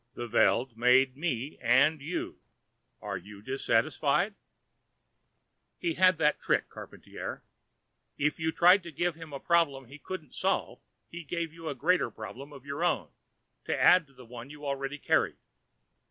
"The Veld made me and you. Are you dissatisfied?" He had that trick, Charpantier. If you tried to give him a problem he couldn't solve, he gave you a greater problem of your own, to add to the one you already carried.